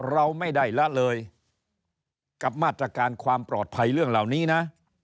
เราไม่ได้ละเลยกับมาตรการความปลอดภัยเรื่องเหล่านี้นะ